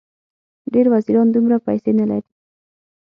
ډېر وزیران دومره پیسې نه لري.